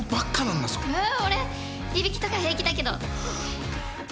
えっ俺いびきとか平気だけど。